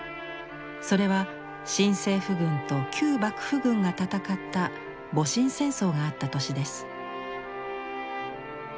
それは新政府軍と旧幕府軍が戦った戊辰戦争があった年です。